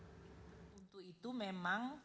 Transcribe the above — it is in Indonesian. kegagalan dari anggaran yang diperlukan oleh anggaran dpr